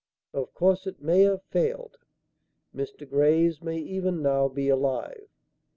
Of course, it may have failed. Mr. Graves may even now be alive.